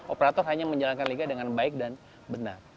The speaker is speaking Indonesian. operator hanya menjalankan liga dengan baik dan benar